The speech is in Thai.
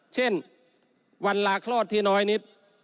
เช่นวันลาคลอดที่น้อยนิด